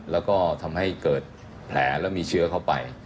แล้วก็ทำให้เกิดแผลแล้วมีเชื้อเข้าไป